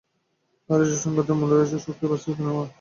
আর এসব সংঘাতের মূলে রয়েছে চুক্তি বাস্তবায়িত না হওয়া।